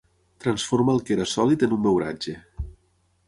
Transforma el que era sòlid en un beuratge.